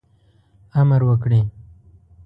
امر وکړي.